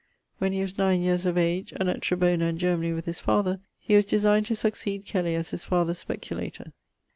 When he was 9 yeares of age and at Trebona in Germany with his father, he was design'd to succede Kelly as his father's speculator.'